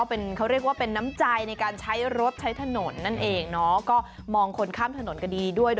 ส่งค่าถนนได้ให้ใช้ทางมาหลาย